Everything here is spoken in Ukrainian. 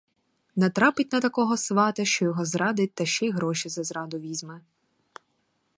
Натрапить на такого свата, що його зрадить, та ще й гроші за зраду візьме.